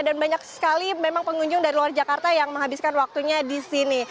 dan banyak sekali memang pengunjung dari luar jakarta yang menghabiskan waktunya di sini